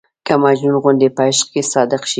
که مجنون غوندې په عشق کې صادق شي.